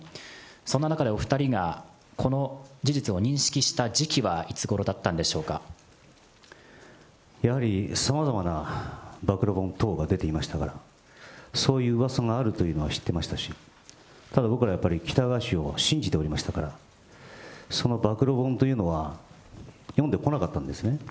そんな中でお２人がこの事実を認識した時期はいつごろだったんでやはり、さまざまな暴露本等が出ていましたから、そういううわさがあるというのは知ってましたし、ただ、僕らはやっぱり喜多川氏を信じておりましたから、その暴露本というのは、読んでこなかったんですね。